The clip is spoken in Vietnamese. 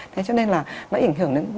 thế cho nên là nó ảnh hưởng đến